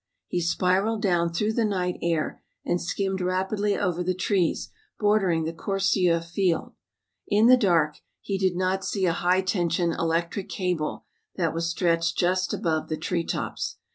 He spiraled down through the night air and skimmed rapidly over the trees bordering the Corcieux field. In the dark he did not see a high tension electric cable that was stretched just above the tree tops.